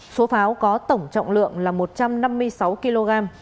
số pháo có tổng trọng lượng là một trăm năm mươi sáu kg